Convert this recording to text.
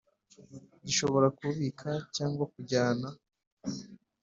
gishobora kubika cyangwa kujyana